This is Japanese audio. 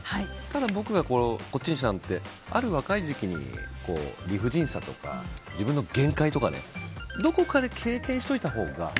ただ、僕がこっちにしたのはある若い時期に理不尽さとか自分の限界とかどこかで経験しておいたほうが。